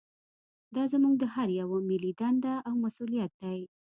دا زموږ د هر یوه ملي دنده او مسوولیت دی